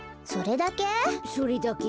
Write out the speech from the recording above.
それだけ？